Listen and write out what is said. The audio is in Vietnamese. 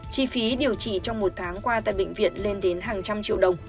chi phí điều trị trong một tháng qua tại bệnh viện lên đến hàng trăm triệu đồng